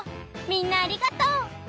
みんなありがとう！